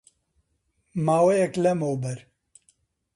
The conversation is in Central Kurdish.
ماوەیەک لە مەوبەر